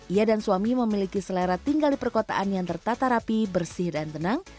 ia dan suami memiliki selera tinggal di perkotaan yang tertata rapi bersih dan tenang